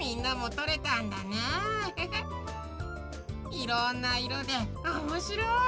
いろんないろでおもしろい！